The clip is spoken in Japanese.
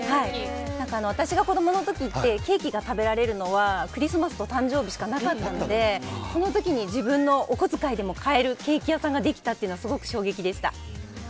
私が子供の時ってケーキが食べられるのはクリスマスと誕生日しかなかったのでその時に自分のお小遣いでも買えるケーキ屋さんができたのがすごく衝撃的でした。